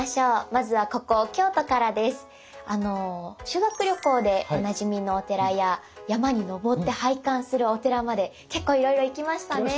修学旅行でおなじみのお寺や山に登って拝観するお寺まで結構いろいろ行きましたね。